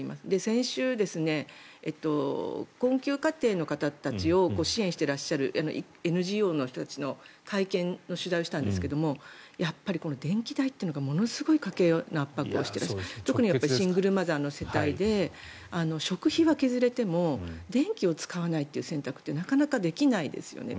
先週、困窮家庭の方たちを支援していらっしゃるＮＧＯの人たちの会見の取材をしたんですがやっぱり電気代ってのがものすごい家計の圧迫をして特にシングルマザーの世帯で食費は削れても電気を使わないという選択ってなかなかできないですよね。